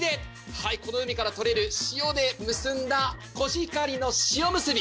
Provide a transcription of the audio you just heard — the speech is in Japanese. はいこの海から採れる塩でむすんだコシヒカリの塩むすび